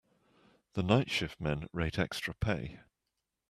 The night shift men rate extra pay.